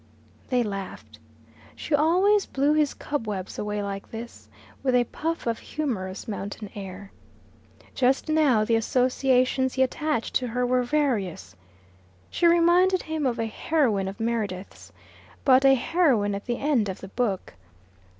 They laughed. She always blew his cobwebs away like this, with a puff of humorous mountain air. Just now the associations he attached to her were various she reminded him of a heroine of Meredith's but a heroine at the end of the book.